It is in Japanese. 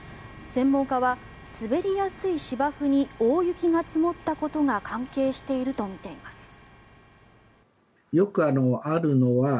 専門家は滑りやすい芝生に大雪が積もったことが関係しているとみています。